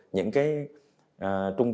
những cái trung tâm